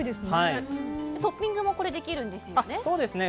トッピングもできるんですよね？